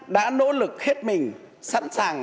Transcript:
đã nỗ lực hết mình sẵn sàng